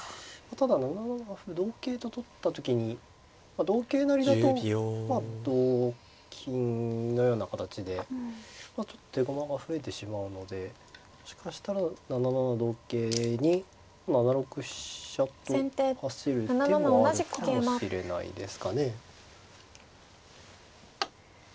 ただ７七歩同桂と取った時に同桂成だとまあ同金のような形でちょっと手駒が増えてしまうのでもしかしたら７七同桂に７六飛車と走る手もあるかもしれないですかね。